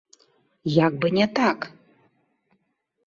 Як бы не так!